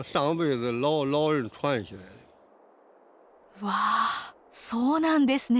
うわそうなんですね。